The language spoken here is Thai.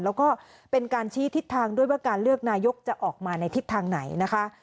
แล้วก็เป็นการชี้ทิศทางด้วยว่าการเลือกนายกจะออกมาในทิศทางไหนนะคะ